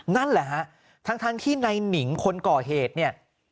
นั่นแหละฮะทั้งที่ในหนิงคนก่อเหตุเนี่ย